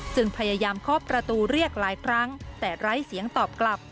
พยายามเคาะประตูเรียกหลายครั้งแต่ไร้เสียงตอบกลับ